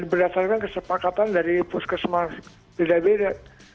berdasarkan kesepakatan dari puskesmas beda beda